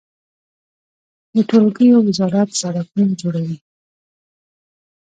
د ټولګټو وزارت سړکونه جوړوي